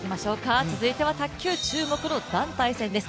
続いては卓球、注目の団体戦です。